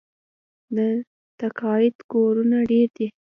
د تقاعد کورونه ډیر دي.